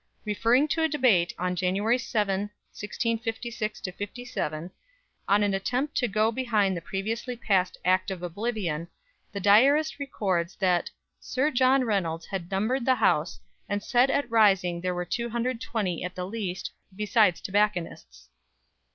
Referring to a debate on January 7, 1656 57, on an attempt to go behind the previously passed Act of Oblivion, the diarist records that "Sir John Reynolds had numbered the House, and said at rising there were 220 at the least, besides tobacconists."